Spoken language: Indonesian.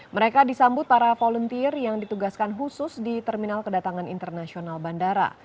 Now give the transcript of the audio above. mereka disambut para volunteer yang ditugaskan khusus di terminal kedatangan internasional bandara